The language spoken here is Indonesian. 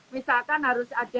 misalkan harus ada